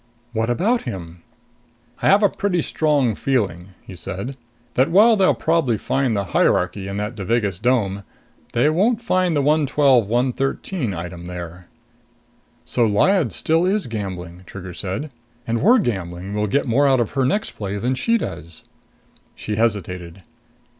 "What about him?" "I have a pretty strong feeling," he said, "that while they'll probably find the hierarchy in that Devagas dome, they won't find the 112 113 item there." "So Lyad still is gambling," Trigger said. "And we're gambling we'll get more out of her next play than she does." She hesitated.